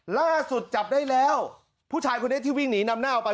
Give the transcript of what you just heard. ล่าสุดจับได้แล้วผู้ชายคนนี้ที่วิ่งหนีนำหน้าออกไป